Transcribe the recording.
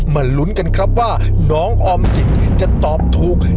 มาหลุ้นกันว่าน้องออมสินจะตอบถูก